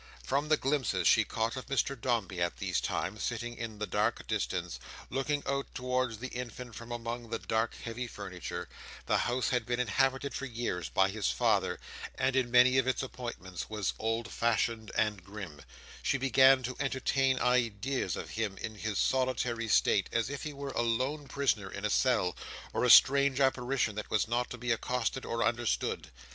From the glimpses she caught of Mr Dombey at these times, sitting in the dark distance, looking out towards the infant from among the dark heavy furniture—the house had been inhabited for years by his father, and in many of its appointments was old fashioned and grim—she began to entertain ideas of him in his solitary state, as if he were a lone prisoner in a cell, or a strange apparition that was not to be accosted or understood.